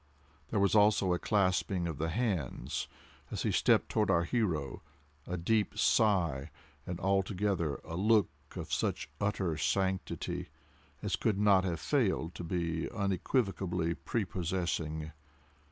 There was also a clasping of the hands, as he stepped toward our hero—a deep sigh—and altogether a look of such utter sanctity as could not have failed to be unequivocally preposessing.